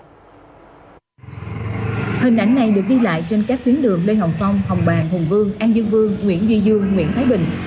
hình ảnh này được ghi lại trên các tuyến đường lê hồng phong hồng bàng hùng vương an dương vương nguyễn duy dương nguyễn thái bình